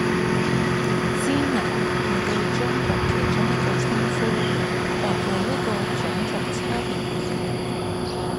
支那，係對中國其中一個稱呼，或係一個種族差別語